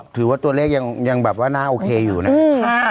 ถือว่าตัวเลขยังแบบว่าน่าโอเคอยู่นะ